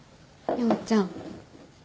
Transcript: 陽ちゃん。